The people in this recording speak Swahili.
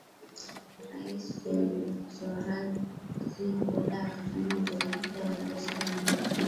rais sarokzy huenda akafanya mabandiliko ya baraza la mawaziri